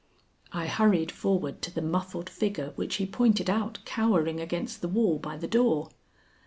I hurried forward to the muffled figure which he pointed out cowering against the wall by the door.